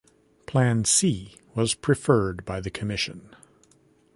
Plan C was preferred by the commission.